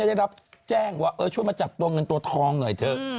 ได้รับแจ้งว่าช่วยมาจับตัวเงินตัวทองหน่อยเถอะ